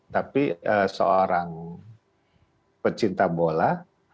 tapi seorang pecinta bola